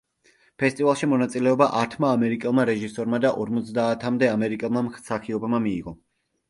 ფესტივალში მონაწილეობა ათმა ამერიკელმა რეჟისორმა და ორმოცდაათამდე ამერიკელმა მსახიობმა მიიღო.